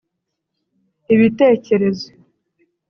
Ibitekerezo